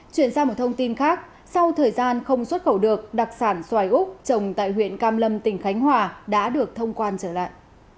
chuyển sang một thông tin khác sau thời gian không xuất khẩu được đặc sản xoài úc trồng tại huyện cam lâm tỉnh khánh hòa đã được thông quan trở lại